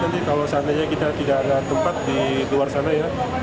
nanti kalau seandainya kita tidak ada tempat di luar sana ya